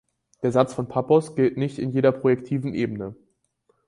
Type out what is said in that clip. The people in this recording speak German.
Der Satz von Pappos gilt nicht in jeder projektiven Ebene.